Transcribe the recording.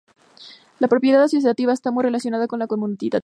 La propiedad asociativa está muy relacionada con la conmutativa.